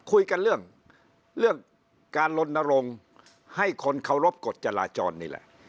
คุยกันเรื่องเรื่องการลนรงค์ให้คนเคารพกฎจราจรนี่แหละ